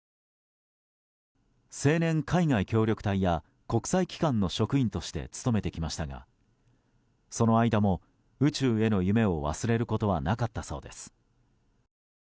青年海外協力隊や国際機関の職員として務めてきましたがその間も、宇宙への夢を忘れることはなかったそうです。